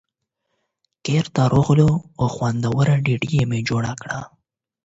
کور ته راغلم او خوندوره ډوډۍ مې جوړه کړه.